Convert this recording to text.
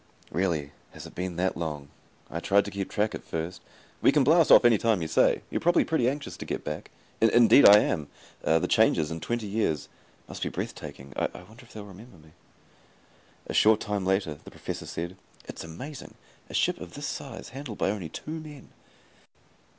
"Really has it been that long? I tried to keep track at first...." "We can blast off anytime you say. You're probably pretty anxious to get back." "Indeed, I am. The changes, in twenty years must be breathtaking. I wonder if they'll remember me?" A short time later, the Professor said, "It's amazing. A ship of this size handled by only two men."